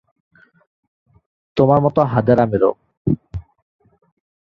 তোমার মতো হাঁদারামেরও।